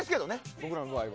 僕らの場合は。